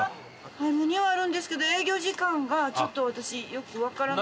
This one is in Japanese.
あるにはあるんですけど営業時間がちょっと私よくわからない。